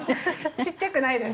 ちっちゃくないです。